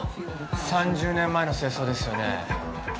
３０年前の正装ですよね。